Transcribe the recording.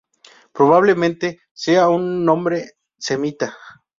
Probablemente sea un nombre semita.